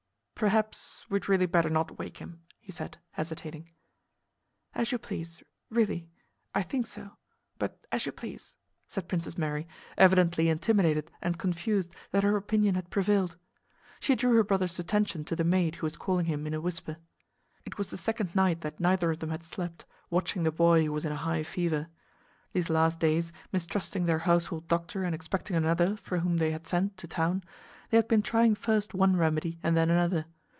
"Perhaps we'd really better not wake him," he said hesitating. "As you please... really... I think so... but as you please," said Princess Mary, evidently intimidated and confused that her opinion had prevailed. She drew her brother's attention to the maid who was calling him in a whisper. It was the second night that neither of them had slept, watching the boy who was in a high fever. These last days, mistrusting their household doctor and expecting another for whom they had sent to town, they had been trying first one remedy and then another.